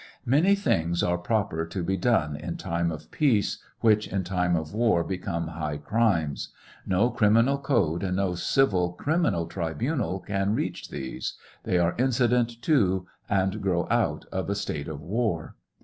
Many things are proper to be done in time of peace, which in time of war be come high crimes. No criminal code and no civil criminal tribunal can reach these ; they are incident to and grow out of a state of war.